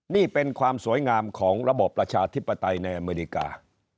นี่เป็นความสวยงามของระบบประชาธิปไตยในอเมริกา